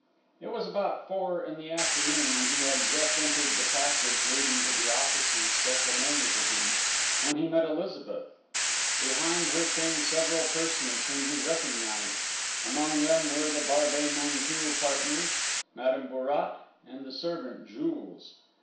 It was about four in the afternoon, and he had just entered the passage leading to the offices so familiar to him, when he met Elizabeth. Behind her came several persons whom he recognised: among them were the Barbey Nanteuil partners, Madame Bourrat, and the servant, Jules.